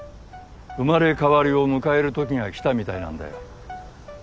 生まれ変わりを迎える時が来たみたいなんだよ。